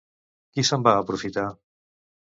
Qui se'n va aprofitar?